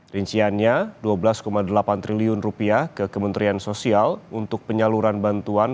rinciannya rp dua belas delapan triliun ke kementerian sosial untuk penyaluran bantuan